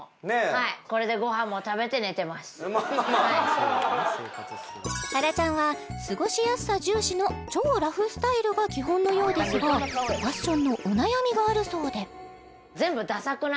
はいはらちゃんは過ごしやすさ重視の超ラフスタイルが基本のようですがファッションのお悩みがあるそうでああ